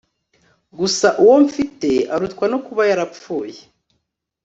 gusa uwo mfite arutwa no kuba yarapfuye